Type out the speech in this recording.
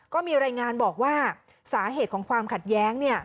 ก็มีรายงานบอกว่าสาเหตุของความขัดแย้ง